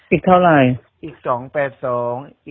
อีกเท่าไร